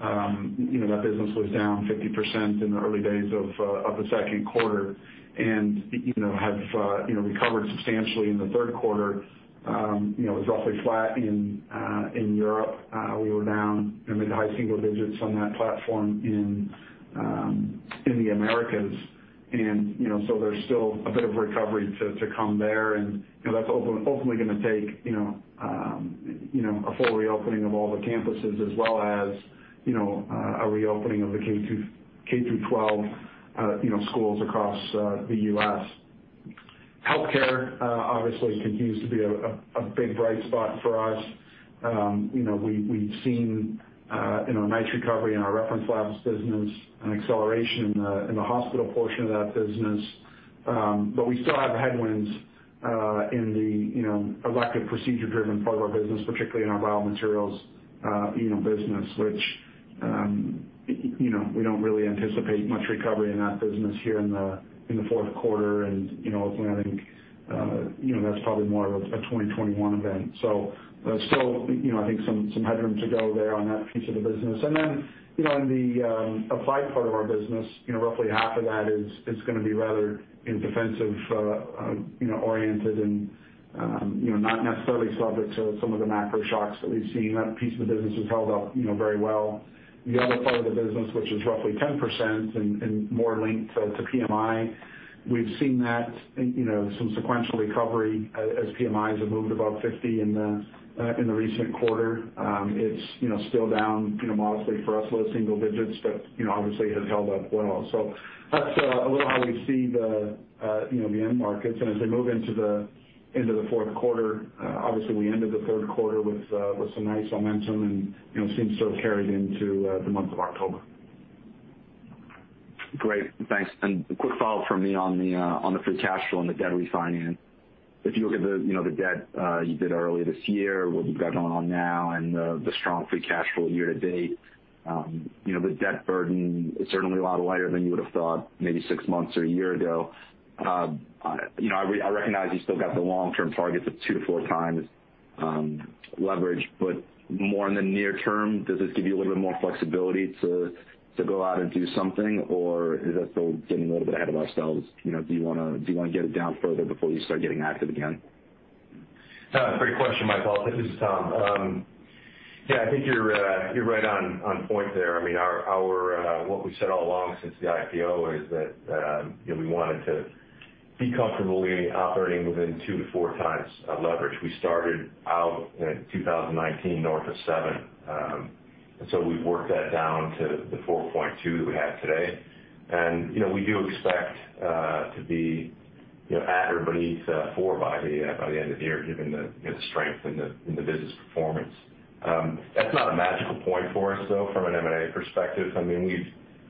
That business was down 50% in the early days of the second quarter, and have recovered substantially in the third quarter. It was roughly flat in Europe. We were down mid to high single digits on that platform in the Americas. There's still a bit of recovery to come there, and that's ultimately going to take a full reopening of all the campuses as well as a reopening of the K-12 schools across the U.S. Healthcare, obviously, continues to be a big bright spot for us. We've seen nice recovery in our reference labs business, an acceleration in the hospital portion of that business. We still have headwinds in the elective procedure-driven part of our business, particularly in our raw materials business, which we don't really anticipate much recovery in that business here in the fourth quarter. Ultimately, I think that's probably more of a 2021 event. There's still I think some headroom to go there on that piece of the business. In the applied part of our business, roughly half of that is going to be rather defensive-oriented and not necessarily subject to some of the macro shocks that we've seen. That piece of the business has held up very well. The other part of the business, which is roughly 10% and more linked to PMI, we've seen that some sequential recovery as PMIs have moved above 50 in the recent quarter. It's still down modestly for us, low single digits, but obviously it has held up well. That's a little how we see the end markets, and as we move into the fourth quarter, obviously we ended the third quarter with some nice momentum, and it seems to have carried into the month of October. Great. Thanks. A quick follow from me on the free cash flow and the debt refinance. If you look at the debt you did earlier this year, what you've got going on now, and the strong free cash flow year to date, the debt burden is certainly a lot lighter than you would've thought maybe six months or a year ago. I recognize you still got the long-term targets of 2x-4x leverage, more in the near term, does this give you a little bit more flexibility to go out and do something, or is that still getting a little bit ahead of ourselves? Do you want to get it down further before you start getting active again? Great question, Michael. This is Tom. Yeah, I think you're right on point there. What we've said all along since the IPO is that we wanted to be comfortably operating within two to four times leverage. We started out in 2019 north of seven, and so we've worked that down to the 4.2 that we have today. We do expect to be at or beneath four by the end of the year, given the strength in the business performance. That's not a magical point for us, though, from an M&A perspective.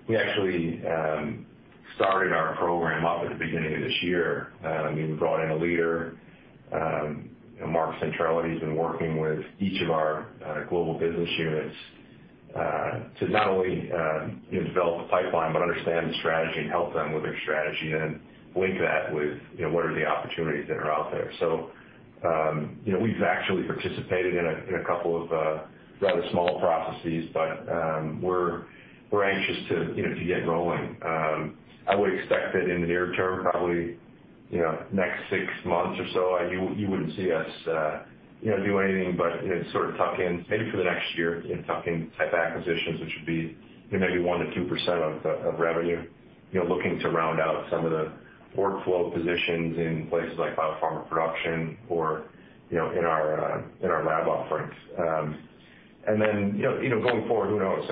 We actually started our program up at the beginning of this year. We brought in a leader, Mark Centrella he's been working with each of our global business units to not only develop a pipeline, but understand the strategy and help them with their strategy and link that with what are the opportunities that are out there. We've actually participated in a couple of rather small processes, but we're anxious to get rolling. I would expect that in the near term, probably next six months or so, you wouldn't see us do anything but sort of tuck-ins, maybe for the next year, tuck-in type acquisitions, which would be maybe 1%-2% of revenue. Looking to round out some of the workflow positions in places like biopharma production or in our lab offerings. Going forward, who knows?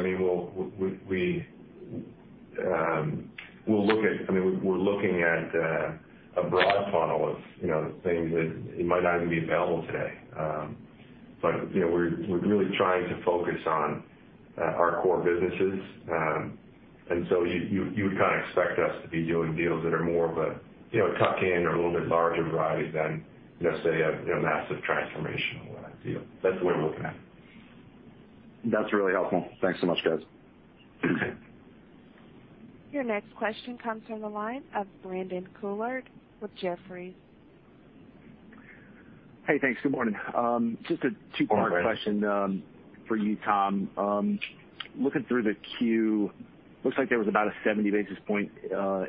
We're looking at a broad funnel of things that it might not even be available today. We're really trying to focus on our core businesses. You would kind of expect us to be doing deals that are more of a tuck-in or a little bit larger variety than, say, a massive transformational deal. That's the way we're looking at it. That's really helpful. Thanks so much, guys. Your next question comes from the line of Brandon Couillard with Jefferies. Hey, thanks. Good morning. Just a two-part question for you, Tom. Looking through the Q, looks like there was about a 70 basis point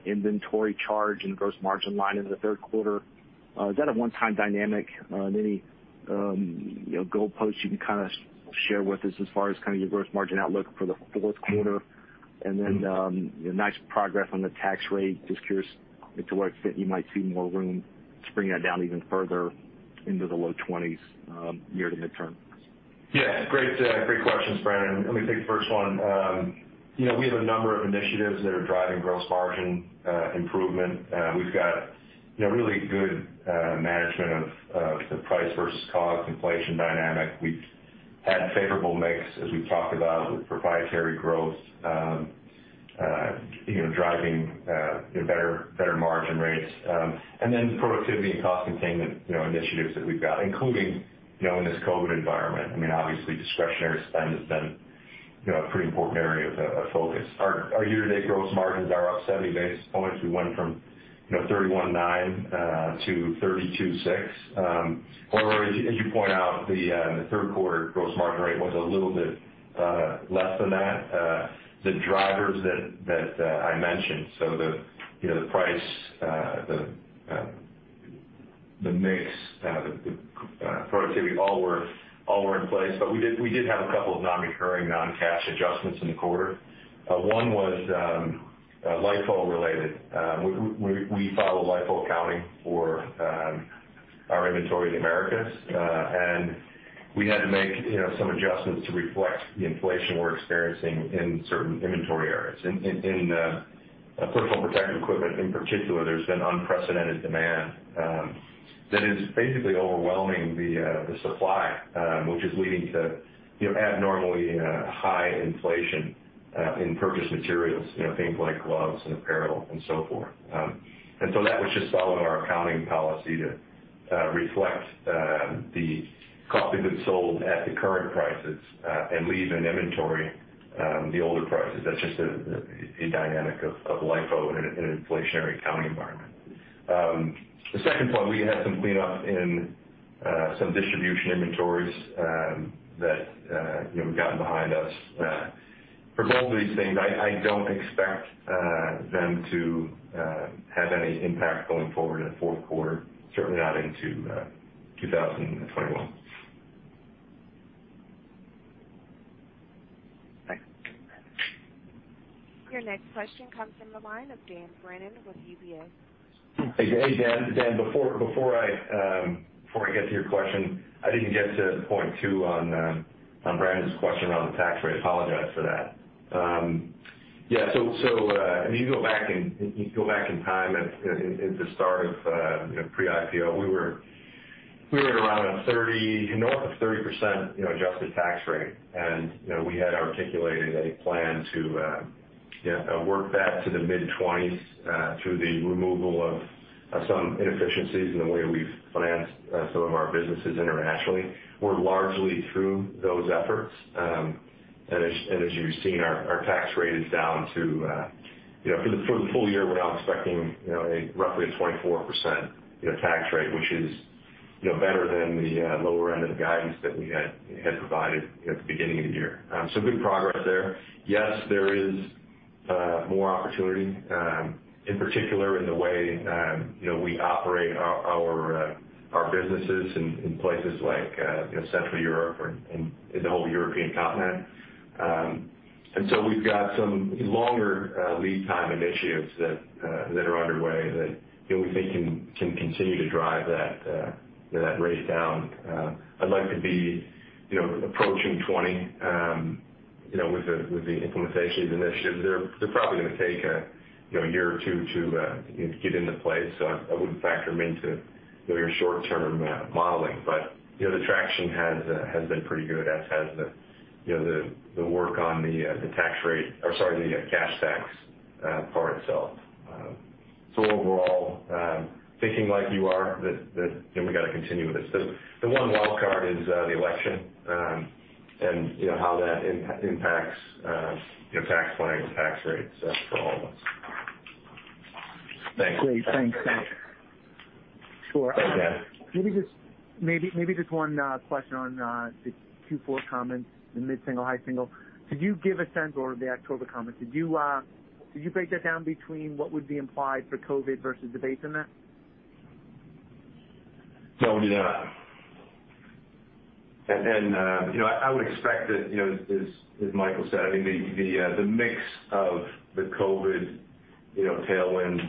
inventory charge in gross margin line into the third quarter. Is that a one-time dynamic? Any goalposts you can kind of share with us as far as your gross margin outlook for the fourth quarter? Nice progress on the tax rate. Just curious as to where you might see more room to bring that down even further into the low twenties year to midterm. Yeah. Great question, Brandon. Let me take the first one. We have a number of initiatives that are driving gross margin improvement. We've got really good management of the price versus cost inflation dynamic. We've had favorable mix, as we've talked about, with proprietary growth driving better margin rates. Then productivity and cost containment initiatives that we've got, including in this COVID-19 environment. Obviously, discretionary spend has been a pretty important area of focus. Our year-to-date gross margins are up 70 basis points. We went from 31.9 to 32.6. However, as you point out, the third quarter gross margin rate was a little bit less than that. The drivers that I mentioned, so the price, the mix, the productivity, all were in place. We did have a couple of non-recurring non-cash adjustments in the quarter. One was LIFO related. We follow LIFO accounting for our inventory in the Americas. We had to make some adjustments to reflect the inflation we're experiencing in certain inventory areas. In personal protective equipment in particular, there's been unprecedented demand that is basically overwhelming the supply, which is leading to abnormally high inflation in purchase materials, things like gloves and apparel and so forth. That was just following our accounting policy to reflect the cost we've been sold at the current prices, and leave in inventory the older prices. That's just a dynamic of LIFO in an inflationary accounting environment. The second point, we had some cleanup in some distribution inventories that had gotten behind us. For both of these things, I don't expect them to have any impact going forward in the fourth quarter, certainly not into 2021. Thanks. Your next question comes from the line of Dan Brennan with UBS. Hey, Dan. Before I get to your question, I didn't get to point two on Brandon's question around the tax rate. I apologize for that. Yeah. If you go back in time at the start of pre-IPO, we were at north of 30% adjusted tax rate, and we had articulated a plan to work that to the mid-20 through the removal of some inefficiencies in the way we've financed some of our businesses internationally. We're largely through those efforts. As you've seen, For the full year, we're now expecting roughly a 24% tax rate, which is better than the lower end of the guidance that we had provided at the beginning of the year. Good progress there. Yes, more opportunity, in particular in the way we operate our businesses in places like Central Europe and the whole European continent. We've got some longer lead time initiatives that are underway that we think can continue to drive that rate down. I'd like to be approaching 20 with the implementation initiatives. They're probably going to take a year or two to get into place, so I wouldn't factor them into your short-term modeling. The traction has been pretty good, as has the work on the cash tax part itself. Overall, thinking like you are that we've got to continue with this. The one wildcard is the election, and how that impacts tax planning and tax rates for all of us. Great. Thanks. Thanks, Dan. Maybe just one question on the Q4 comments, the mid-single, high single. Could you give a sense or the October comments, did you break that down between what would be implied for COVID versus the base in that? I'll do that. I would expect that, as Michael said, I think the mix of the COVID tailwinds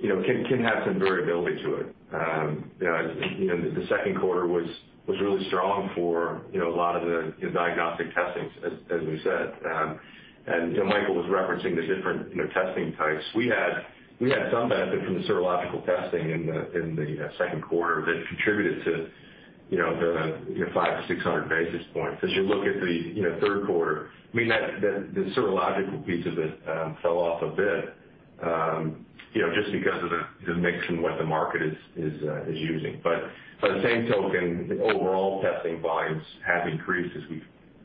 can have some variability to it. The second quarter was really strong for a lot of the diagnostic testings, as we said. Michael was referencing the different testing types. We had some benefit from the serological testing in the second quarter that contributed to the 500-600 basis points. As you look at the third quarter, I mean, the serological pieces fell off a bit just because of the mix and what the market is using. By the same token, overall testing volumes have increased as we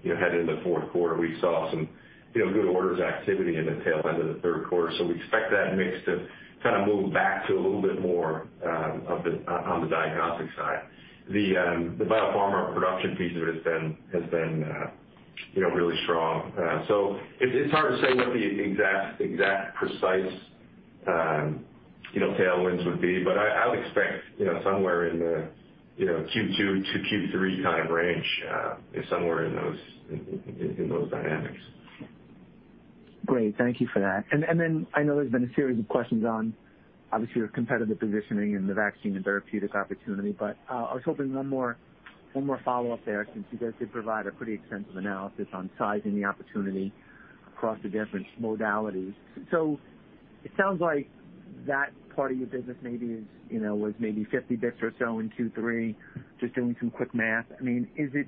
head into the fourth quarter. We saw some good orders activity in the tail end of the third quarter. We expect that mix to kind of move back to a little bit more on the diagnostic side. The biopharma production piece of it has been really strong. It's hard to say what the exact precise tailwinds would be, but I would expect somewhere in the Q2 to Q3 time range is somewhere in those dynamics. Great. Thank you for that. Then I know there's been a series of questions on obviously your competitive positioning and the vaccine and therapeutic opportunity, but I was hoping one more follow-up there since you guys did provide a pretty extensive analysis on sizing the opportunity across the different modalities. It sounds like that part of your business maybe was maybe 50 basis points or so in Q3, just doing some quick math. I mean, is it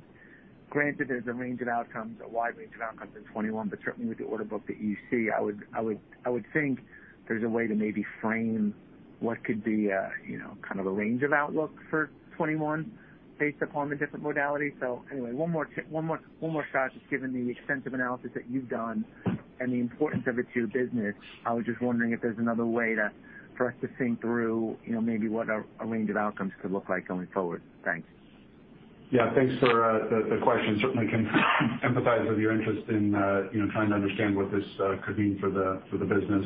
granted there's a range of outcomes, a wide range of outcomes in 2021, certainly with the order book that you see, I would think there's a way to maybe frame what could be kind of a range of outlook for 2021 based upon the different modalities. Anyway, one more shot, just given the extensive analysis that you've done and the importance of it to your business, I was just wondering if there's another way for us to think through maybe what a range of outcomes could look like going forward. Thanks. Yeah, thanks for the question. Certainly can empathize with your interest in trying to understand what this could mean for the business.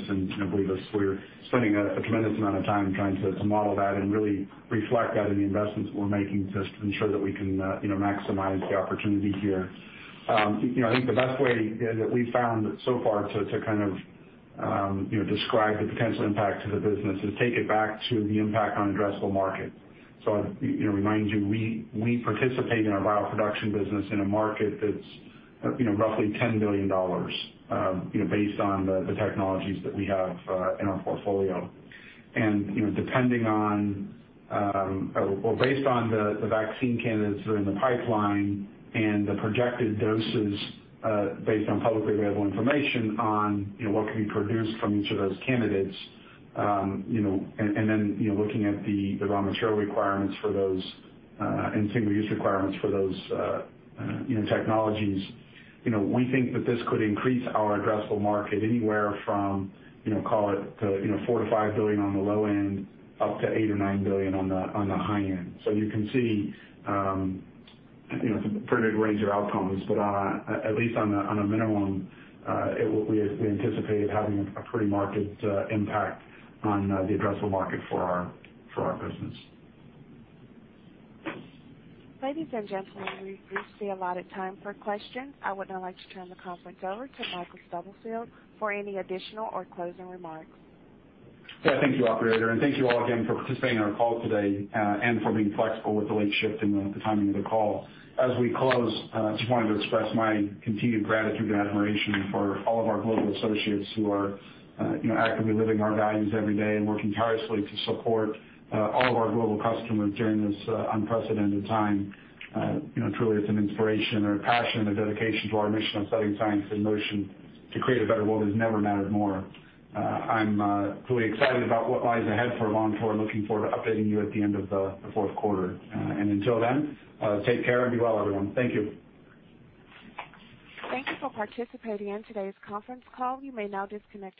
Believe us, we're spending a tremendous amount of time trying to model that and really reflect that in the investments we're making just to ensure that we can maximize the opportunity here. I think the best way that we've found so far to kind of describe the potential impact to the business is take it back to the impact on addressable market. Remind you, we participate in our bioproduction business in a market that's roughly $10 billion based on the technologies that we have in our portfolio. Based on the vaccine candidates that are in the pipeline and the projected doses based on publicly available information on what can be produced from each of those candidates, then looking at the raw material requirements for those and single-use requirements for those technologies. We think that this could increase our addressable market anywhere from call it $4 billion-$5 billion on the low end up to $8 billion or $9 billion on the high end. You can see it's a pretty big range of outcomes, but at least on a minimum, we anticipate it having a pretty market impact on the addressable market for our business. Ladies and gentlemen, we seem out of time for questions. I would now like to turn the conference over to Michael Stubblefield for any additional or closing remarks. Yeah. Thank you, operator, and thank you all again for participating in our call today and for being flexible with the late shift in the timing of the call. As we close, I just wanted to express my continued gratitude and admiration for all of our global associates who are actively living our values every day and working tirelessly to support all of our global customers during this unprecedented time. Truly, it's an inspiration. Our passion and dedication to our mission of setting science in motion to create a better world has never mattered more. I'm truly excited about what lies ahead for Avantor and looking forward to updating you at the end of the fourth quarter. Until then, take care and be well, everyone. Thank you. Thank you for participating in today's conference call. You may now disconnect.